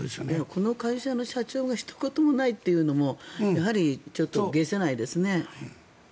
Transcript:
この会社の社長がひと言もないというのもちょっと解せないですね。